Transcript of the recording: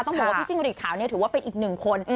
ต้องบอกว่าพี่จิ้งหรีดขาวเนี่ยถือว่าเป็นอีกหนึ่งคน